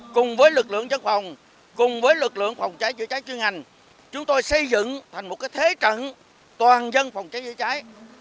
cùng với lực lượng dân phòng cùng với lực lượng phòng cháy chữa cháy chuyên ngành chúng tôi xây dựng thành một thế trận toàn dân phòng cháy chữa cháy